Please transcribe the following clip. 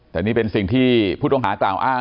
แต่นี่เป็นสิ่งที่ผู้ต้องหาจำอาจจะบอกว่า